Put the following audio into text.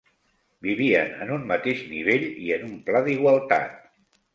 Vivien en un mateix nivell i en un pla d'igualtat